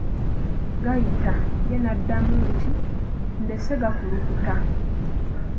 Gayita ye n'addamuu nti, ndesse gakulukuta.